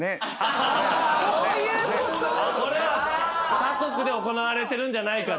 他国で行われてるんじゃないかと。